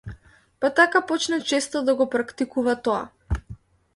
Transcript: Па така почна често да го практикува тоа.